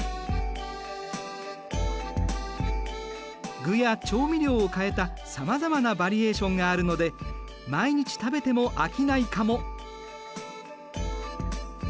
具や調味料を変えたさまざまなバリエーションがあるので毎日食べても飽きないかも。